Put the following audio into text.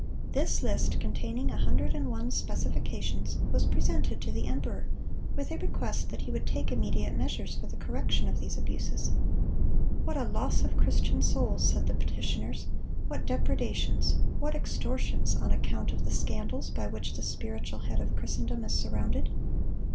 This list, containing a hundred and one specifications, was presented to the emperor, with a request that he would take immediate measures for the correction of these abuses. "What a loss of Christian souls," said the petitioners, "what depredations, what extortions, on account of the scandals by which the spiritual head of Christendom is surrounded!